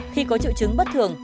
khi có triệu chứng bất thường